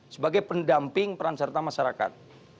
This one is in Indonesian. sebagai pendamping peran serta masyarakat